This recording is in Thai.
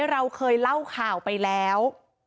เราเคยเล่าข่าวไปแล้ว